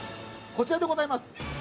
こちらでございます。